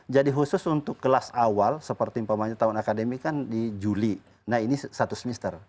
jadi khusus untuk kelas awal seperti pemain tahun akademik kan di juli nah ini satu semester